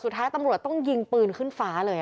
สุดท้ายตำรวจต้องยิงปืนขึ้นฟ้าเลย